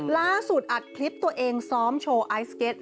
ล่าสุดอัดคลิปตัวเองซ้อมโชว์ไอซ์เก็ต